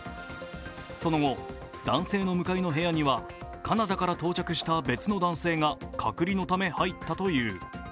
その後、男性の向かいの部屋にはカナダから到着した別の男性が隔離のため入ったという。